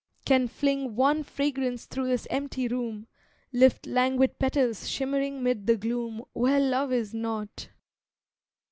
Can fling wan fragrance thro' this empty room, Lift languid petals shimmering 'mid the gloom Where love is not.